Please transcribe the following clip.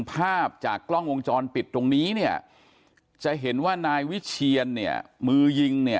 ภาพจากกล้องวงจรปิดตรงนี้เนี่ยจะเห็นว่านายวิเชียนเนี่ยมือยิงเนี่ย